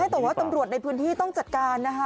แต่ว่าตำรวจในพื้นที่ต้องจัดการนะคะ